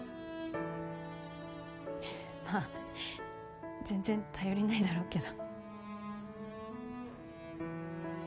まあ全然頼りないだろうけど。